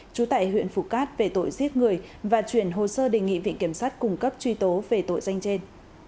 chú tại huyện phục cát về tội giết người và chuyển hồ sơ đề nghị vị kiểm sát cung cấp truy tố về tội danh trên